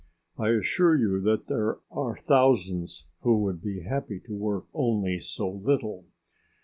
I assure you that there are thousands who would be happy to work only so little.